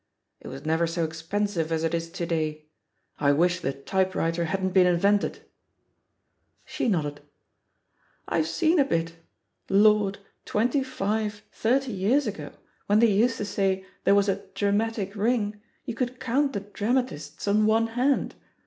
It was never so expensive as it is to day; I wish the typewriter hadn't been invented I" She nodded. "I've seen a bit. Lordl twenty five, thirty years ago, when they used to say there was a ^dramatic ring,' you could count the dramatists on one hand.